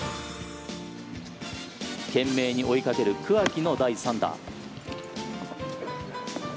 懸命に追いかける桑木の第３打。